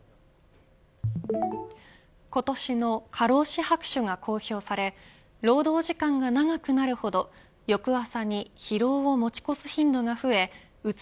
今年の過労死白書が公表され労働時間が長くなるほど翌朝に疲労を持ち越す頻度が増えうつ